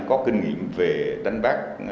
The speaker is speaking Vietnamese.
có kinh nghiệm về đánh bắt